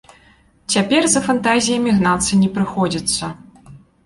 Цяпер за фантазіямі гнацца не прыходзіцца.